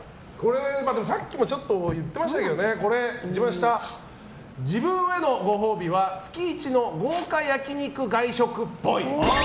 さっきもちょっと言ってましたけど一番下、自分へのご褒美は月１の豪華焼き肉外食っぽい。